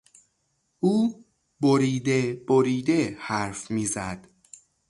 او بریده بریده حرف میزد.